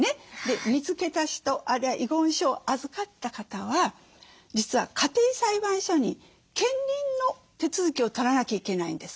見つけた人あるいは遺言書を預かった方は実は家庭裁判所に検認の手続きを取らなきゃいけないんです。